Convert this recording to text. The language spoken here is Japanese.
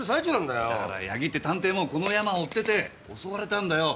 だから矢木って探偵もこのヤマを追ってて襲われたんだよ。